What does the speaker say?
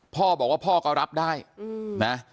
พ่อบอกว่าพ่อก็รับได้นะ